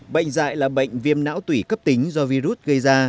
bệnh dạy là bệnh viêm não tủy cấp tính do virus gây ra